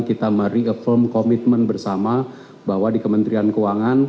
kita mereform komitmen bersama bahwa di kementerian keuangan